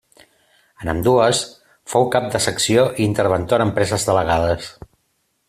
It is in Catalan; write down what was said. En ambdues fou cap de secció i interventor en empreses delegades.